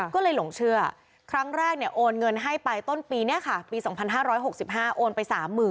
ก็เลยหลงเชื่อครั้งแรกโอนเงินให้ไปต้นปีนี้ค่ะปี๒๕๖๕โอนไป๓๐๐๐